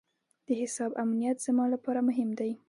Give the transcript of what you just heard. د حساب امنیت زما لپاره مهم دی.